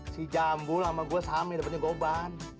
si jambul sama gue sami dapatnya goban